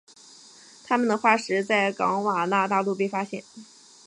它们的化石在冈瓦纳大陆被发现。